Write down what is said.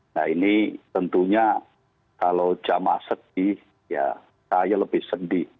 nah ini tentunya kalau jamaah sedih ya saya lebih sedih